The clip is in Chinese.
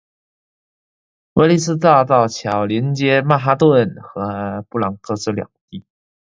威利斯大道桥连接曼哈顿和布朗克斯两地。